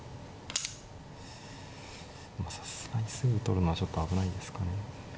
さすがにすぐ取るのはちょっと危ないんですかね。